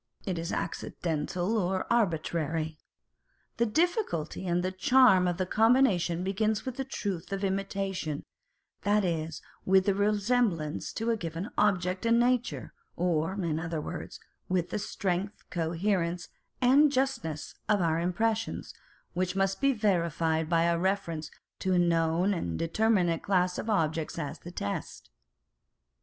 It is accidental or arbitrary. The difficulty and the charm of the combination begins with the truth of imitation, that is, with the resemblance to a given object in nature, or in other words, with the strength, coherence, and justness of our impressions, which must be verified by a reference to a known and determinate class of objects as the test.